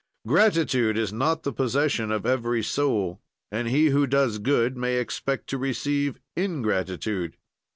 Gratitude is not the possession of every soul and he who does good may expect to receive ingratitude.